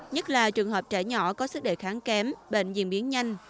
nhất là trường hợp trẻ nhỏ có sức đề kháng kém bệnh diễn biến nhanh